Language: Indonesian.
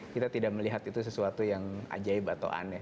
kita tidak melihat itu sesuatu yang ajaib atau aneh